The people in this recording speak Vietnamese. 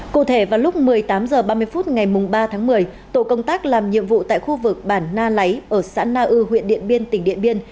cụ thể vào lúc một mươi tám h ba mươi phút ngày ba tháng một mươi tổ công tác làm nhiệm vụ tại khu vực bản nay ở xã na ư huyện điện biên tỉnh điện biên